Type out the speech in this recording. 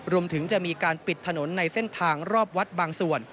รวมถึงจะมีการปิดถนนในเส้นทางรอบวัดบางส่วน